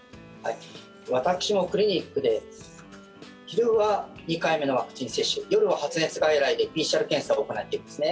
私もクリニックで昼は２回目のワクチン接種夜は発熱外来で、ＰＣＲ検査を行っているんですね。